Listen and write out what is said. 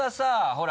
ほら